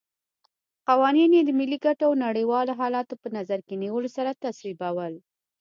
قوانین یې د ملي ګټو او نړیوالو حالاتو په نظر کې نیولو سره تصویبول.